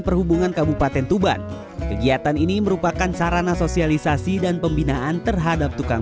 perhubungan kabupaten tuban kegiatan ini merupakan sarana sosialisasi dan pembinaan terhadap tukang